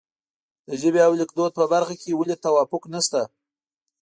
د ژبې او لیکدود په برخه کې ولې توافق نشته.